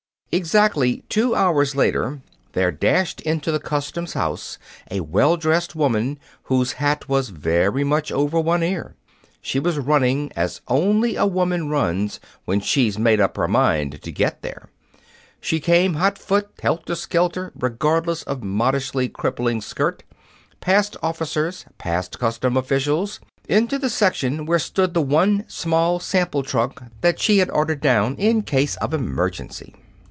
Exactly two hours later, there dashed into the customs house a well dressed woman whose hat was very much over one ear. She was running as only a woman runs when she's made up her mind to get there. She came hot foot, helter skelter, regardless of modishly crippling skirt, past officers, past customs officials, into the section where stood the one small sample trunk that she had ordered down in case of emergency.